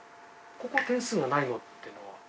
ここ点数がないのってのは。